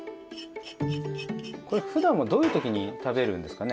これふだんはどういう時に食べるんですかね？